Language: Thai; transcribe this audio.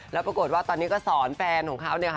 แล้วปรากฏว่าตอนนี้ก็สอนแฟนของเขาเนี่ยค่ะ